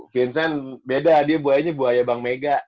vincent beda dia buayanya buaya bank mega